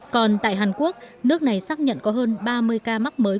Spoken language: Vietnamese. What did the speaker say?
còn tại hàn quốc nước này xác nhận có hơn ba mươi triệu ca mắc covid một mươi chín